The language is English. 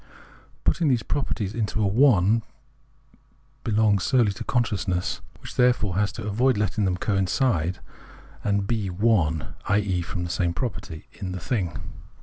Putting these proper ties into a " one " belongs solely to consciousness, which, therefore, has to avoid letting them coincide and be one (i.e. one and the same property) in the thing.